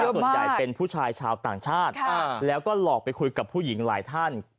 ส่วนใหญ่เป็นผู้ชายชาวต่างชาติแล้วก็หลอกไปคุยกับผู้หญิงหลายท่าน